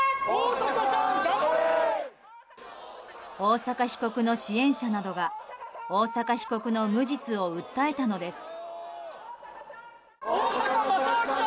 大坂被告の支援者などが大坂被告の無実を訴えたのです。